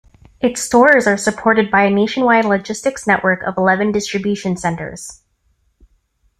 Its stores are supported by a nationwide logistics network of eleven distribution centers.